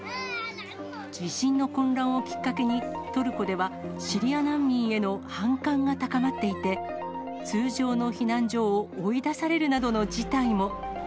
地震の混乱をきっかけに、トルコではシリア難民への反感が高まっていて、通常の避難所を追い出されるなどの事態も。